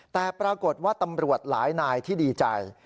แต่ปรากฏว่าตำรวจหลายนายที่ดีใจ